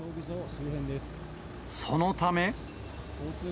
そのため。